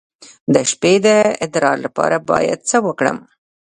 د شپې د ادرار لپاره باید څه وکړم؟